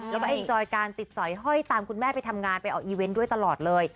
แล้วก็เอ็นจอยการติดสอยห้อยตามคุณแม่ไปทำงานไปออกอีเวนต์ด้วยตลอดเลย